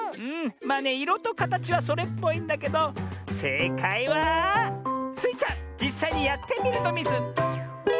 まあねいろとかたちはそれっぽいんだけどせいかいはスイちゃんじっさいにやってみるのミズ！